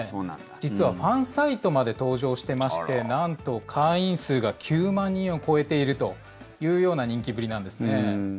実はファンサイトまで登場してましてなんと会員数が９万人を超えているというような人気ぶりなんですね。